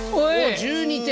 １２点！